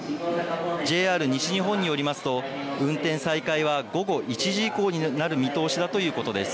ＪＲ西日本によりますと運転再開は午後１時以降になる見通しだということです。